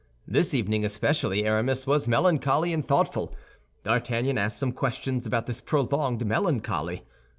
This evening, especially, Aramis was melancholy and thoughtful. D'Artagnan asked some questions about this prolonged melancholy.